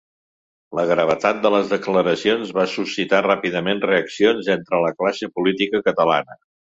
La gravetat de les declaracions va suscitar ràpidament reaccions entre la classe política catalana.